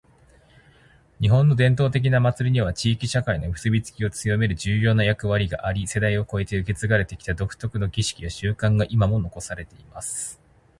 •「日本の伝統的な祭りには、地域社会の結びつきを強める重要な役割があり、世代を超えて受け継がれてきた独特の儀式や慣習が今も残されています。」